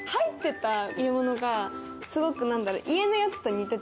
すごく何だろう。